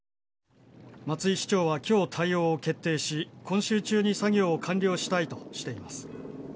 松井市長は、きょう対応を決定し、今週中に作業を完了したいとしています。